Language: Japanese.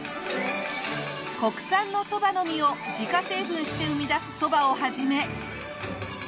国産のそばの実を自家製粉して生み出すそばを始め。